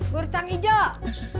bur tang hijau